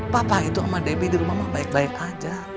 papa itu sama debbie di rumah baik baik aja